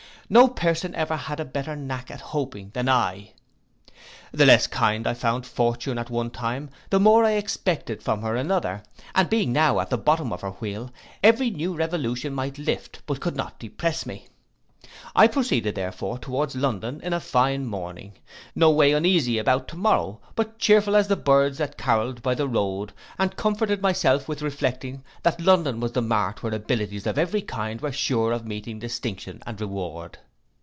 No person ever had a better knack at hoping than I. The less kind I found fortune at one time, the more I expected from her another, and being now at the bottom of her wheel, every new revolution might lift, but could not depress me. I proceeded, therefore, towards London in a fine morning, no way uneasy about tomorrow, but chearful as the birds that caroll'd by the road, and comforted myself with reflecting that London was the mart where abilities of every kind were sure of meeting distinction and reward.